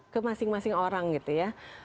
ke masing masing orang gitu ya